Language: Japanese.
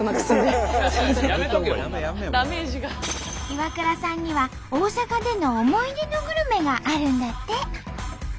イワクラさんには大阪での思い出のグルメがあるんだって。